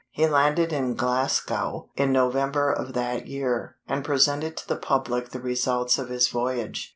He landed in Glasgow in November of that year, and presented to the public the results of his voyage.